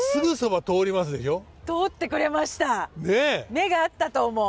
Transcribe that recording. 目が合ったと思う。